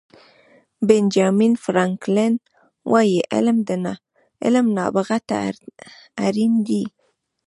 بینجامین فرانکلن وایي علم نابغه ته اړین دی.